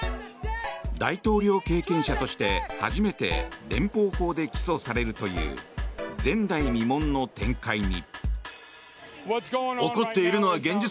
大統領経験者として初めて連邦法で起訴されるという前代未聞の展開に。